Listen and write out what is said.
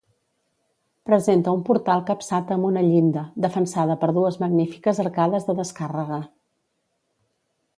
Presenta un portal capçat amb una llinda, defensada per dues magnífiques arcades de descàrrega.